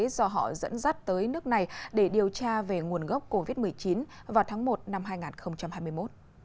do họ dẫn dắt tới nước này để điều tra về nguồn gốc covid một mươi chín vào tháng một năm hai nghìn hai mươi một